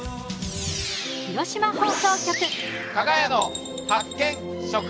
広島放送局。